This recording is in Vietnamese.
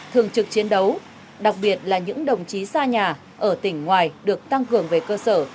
thường trực chiến đấu đặc biệt là những đồng chí xa nhà ở tỉnh ngoài được tăng cường về cơ sở